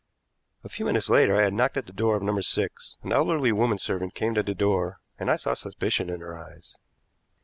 A few minutes later I had knocked at the door of No. 6; an elderly woman servant came to the door, and I saw suspicion in her eyes.